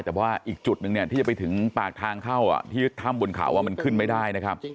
แต่ว่าอีกจุดหนึ่งเนี่ยที่จะไปถึงปากทางเข้าที่ถ้ำบนเขามันขึ้นไม่ได้นะครับ